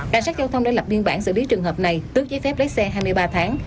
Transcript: cảnh sát giao thông đã lập biên bản xử lý trường hợp này tước giấy phép lấy xe hai mươi ba tháng